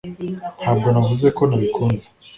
ntabwo navuze ko nabikunze